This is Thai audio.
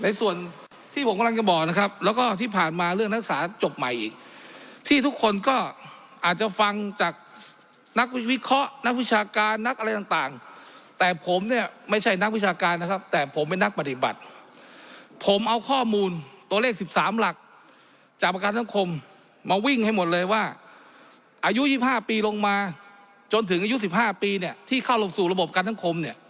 ที่ผมกำลังจะบอกนะครับแล้วก็ที่ผ่านมาเรื่องนักศึกษาจบใหม่อีกที่ทุกคนก็อาจจะฟังจากนักวิเคราะห์นักวิชาการนักอะไรต่างแต่ผมเนี่ยไม่ใช่นักวิชาการนะครับแต่ผมเป็นนักปฏิบัติผมเอาข้อมูลตัวเลข๑๓หลักจากประกันสังคมมาวิ่งให้หมดเลยว่าอายุ๒๕ปีลงมาจนถึงอายุ๑๕ปีเนี่ยที่เข้าลงสู่ระบบการสังคมเนี่ย